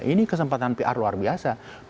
ini kesempatan pr luar biasa